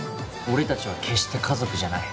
俺たちは決して家族じゃない。